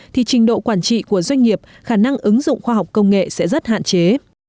thì trình độ quản trị của doanh nghiệp khả năng ứng dụng khoa học công nghệ sẽ rất hạn chế